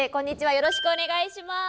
よろしくお願いします！